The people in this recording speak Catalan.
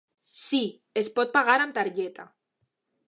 Sí, es pot pagar amb targeta.